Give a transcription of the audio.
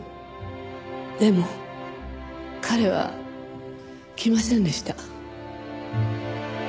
でも彼は来ませんでした。